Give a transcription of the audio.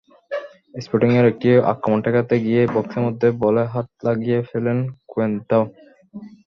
স্পোর্টিংয়ের একটি আক্রমণ ঠেকাতে গিয়ে বক্সের মধ্যে বলে হাত লাগিয়ে ফেলেন কোয়েন্ত্রাও।